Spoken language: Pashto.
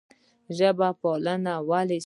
ژب پالنه ولې ستونزه ده؟